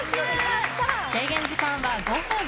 制限時間は５分。